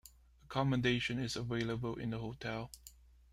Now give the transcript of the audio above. Accommodation is available in the hotel.